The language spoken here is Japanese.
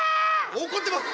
怒ってます！